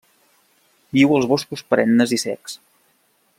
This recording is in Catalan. Viu als boscos perennes i secs.